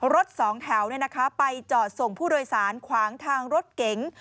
รถสองแถวไปจอดส่งผู้โดยสารขวางทางรถเก๋ง